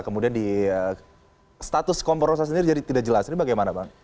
kemudian di status komprosa sendiri jadi tidak jelas ini bagaimana bang